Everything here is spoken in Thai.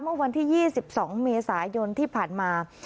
เมื่อวันที่๒๒เมษายนที่ผ่านมา